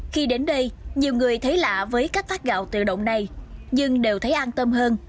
khi đến đây nhiều người thấy lạ với cách phát gạo tự động này nhưng đều thấy an tâm hơn